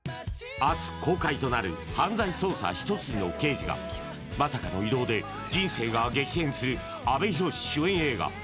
明日公開となる犯罪捜査一筋の刑事がまさかの異動で人生が激変する阿部寛主演